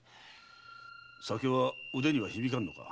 酒は腕にはひびかんのか？